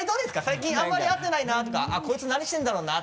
最近あんまり会ってないなとかあっこいつ何してるんだろうな？